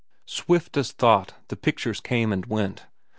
Swift as thought the pictures came and went.